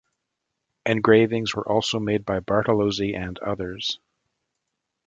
Engravings were also made by Bartolozzi and others.